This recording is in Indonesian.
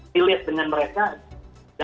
relate dengan mereka